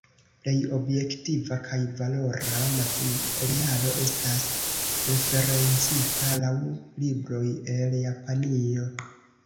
Plej objektiva kaj valora materialo estas referencita laŭ libroj el Japanio.